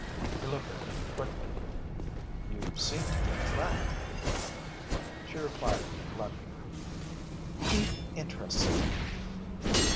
He looked at her quickly. "You seem to keep track of him." She replied bluntly: "He interests me."